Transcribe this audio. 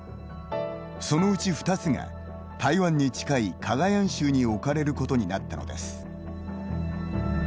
そのうち２つが台湾に近いカガヤン州に置かれることになったのです。